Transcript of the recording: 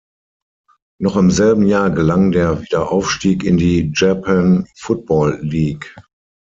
Noch im selben Jahr gelang der Wiederaufstieg in die Japan Football League.